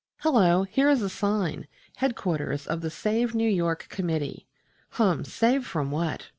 Hullo! here is a sign, "Headquarters of the Save New York Committee." Hum! Save from what?